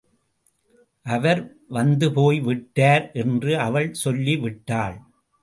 அவர் வந்துபோய் விட்டார் என்று அவள் சொல்லி விட்டாள்.